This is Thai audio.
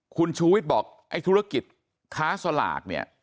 คุณชูวิทย์บอกไอ้ธุรกิจค้าสลากเนี่ย